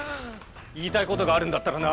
言いたいことがあるんだったらな